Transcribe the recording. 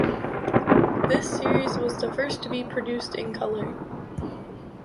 This series was the first to be produced in colour.